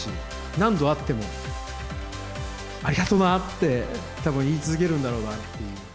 何度会っても、ありがとうなって、たぶん言い続けるんだろうなっていう。